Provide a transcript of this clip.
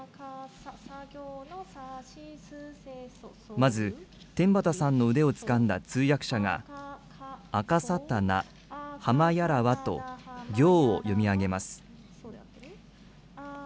まず、天畠さんの腕をつかんだ通訳者が、あかさたな、はまやらわと行を読み上げます。